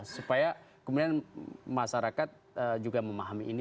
supaya kemudian masyarakat juga memahami ini